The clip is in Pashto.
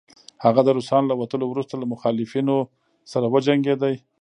هغه د روسانو له وتلو وروسته له مخالفينو سره وجنګيد